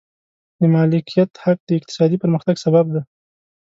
د مالکیت حق د اقتصادي پرمختګ سبب دی.